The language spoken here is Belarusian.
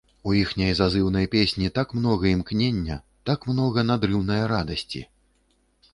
У іхняй зазыўнай песні так многа імкнення, так многа надрыўнае радасці.